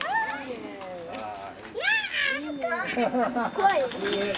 怖い？